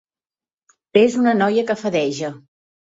És una noia que fadeja.